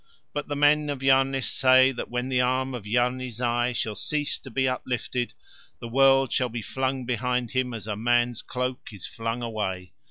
But the men of Yarnith say that when the arm of Yarni Zai shall cease to be uplifted the world shall be flung behind him, as a man's cloak is flung away.